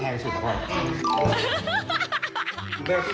แล้วเริ่มเป็นไง